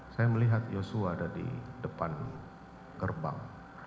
saya melihat joshua ada di depan gerbang